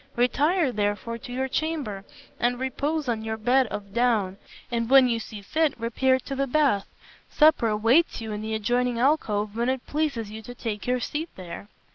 Retire, therefore, to your chamber and repose on your bed of down, and when you see fit repair to the bath. Supper awaits you in the adjoining alcove when it pleases you to take your seat there."